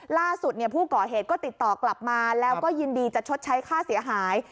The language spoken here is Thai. ล่าสุดผู้ก่อเหตุก็ติดต่อกลับมาแล้วก็ยินดีจะชดใช้ค่าเสียหาย